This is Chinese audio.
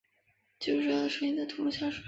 几乎感受到她的声音在中途消失了。